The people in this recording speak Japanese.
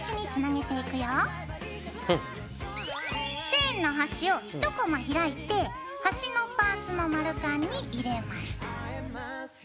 チェーンの端を１コマ開いて端のパーツの丸カンに入れます。